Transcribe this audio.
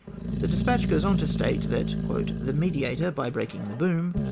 The despatch goes on to state that, " the Mediator^ by breaking the boom!"